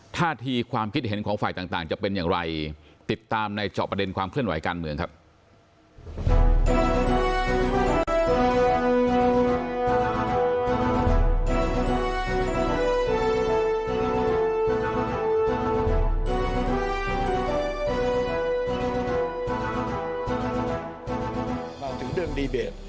ท่าทีความคิดเห็นของฝ่ายต่างจะเป็นอย่างไรติดตามในเจาะประเด็นความเคลื่อนไหวการเมืองครับ